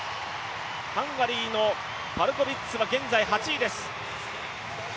ハンガリーのパルコビッツは現在８位です。